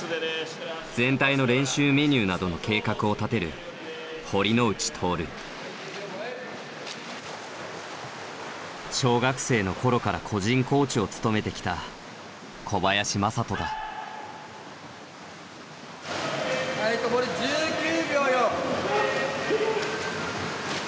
全体の練習メニューなどの計画を立てる小学生の頃から個人コーチを務めてきたはい灯１９秒４。